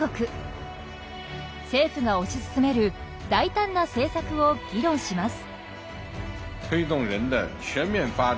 政府が推し進める大胆な政策を議論します。